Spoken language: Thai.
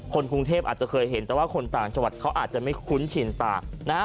คนกรุงเทพอาจจะเคยเห็นแต่ว่าคนต่างจังหวัดเขาอาจจะไม่คุ้นชินตานะฮะ